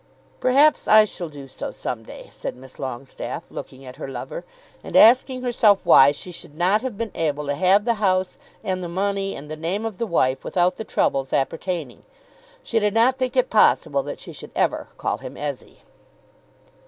"Perhaps I shall do so some day," said Miss Longestaffe, looking at her lover, and asking herself why she should not have been able to have the house and the money and the name of the wife without the troubles appertaining. She did not think it possible that she should ever call him Ezzy.